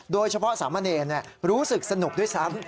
โดยเฉพาะสามเณรรู้สึกสนุกด้วยซ้ำ